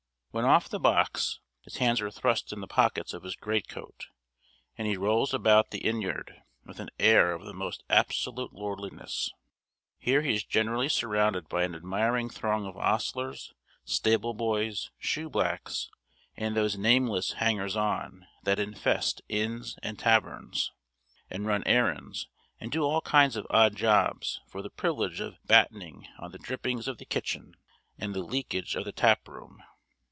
When off the box, his hands are thrust in the pockets of his greatcoat, and he rolls about the inn yard with an air of the most absolute lordliness. Here he is generally surrounded by an admiring throng of ostlers, stable boys, shoe blacks, and those nameless hangers on that infest inns and taverns, and run errands, and do all kinds of odd jobs, for the privilege of battening on the drippings of the kitchen and the leakage of the tap room.